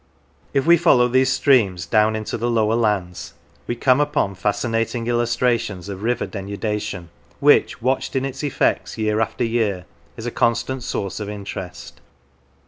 If we follow these streams down into the 230 The Millstone Grit Country lower lands, we come upon fascinating illustrations ot river denudation, which, watched in its effects year after year, is a constant source of interest.